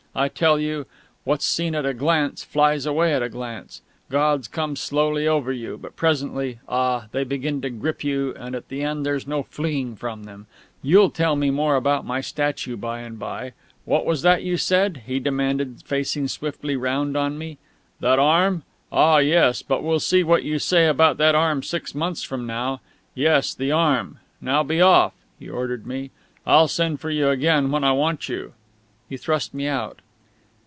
I tell you, what's seen at a glance flies away at a glance. Gods come slowly over you, but presently, ah! they begin to grip you, and at the end there's no fleeing from them! You'll tell me more about my statue by and by!... What was that you said?" he demanded, facing swiftly round on me. "That arm? Ah, yes; but we'll see what you say about that arm six months from now! Yes, the arm.... Now be off!" he ordered me. "I'll send for you again when I want you!" He thrust me out.